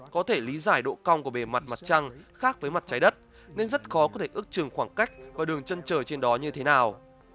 có thể lý giải độ cong của bề mặt mặt trăng khác với mặt trái đất nên rất khó có thể ước chừng khoảng cách và đường chân trời trên đó như thế nào